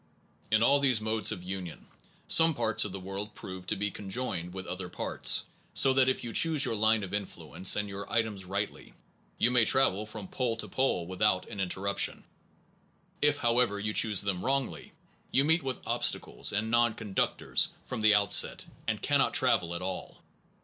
In all these modes of union, some parts of the world prove to be conjoined with other parts, so that if you choose your line of influence and your items rightly, you may travel from pole to pole without an interruption. If, how ever, you choose them wrongly, you meet with obstacles and non conductors from the outset, and cannot travel at all.